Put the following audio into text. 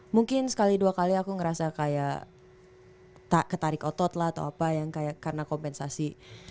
mungkin sekali dua kali aku ngerasa kayak ketarik otot lah atau apa yang kayak karena kompensasi